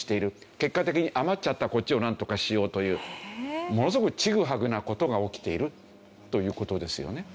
結果的に余っちゃったこっちをなんとかしようというものすごくちぐはぐな事が起きているという事ですよね。